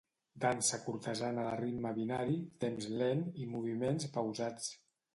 Dansa cortesana de ritme binari, temps lent i moviments pausats.